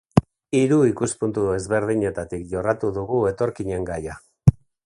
Hiru ikuspuntu ezberdinetatik jorratu dugu etorkinen gaia.